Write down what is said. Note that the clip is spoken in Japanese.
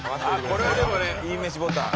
これはでもねいいめしボタン。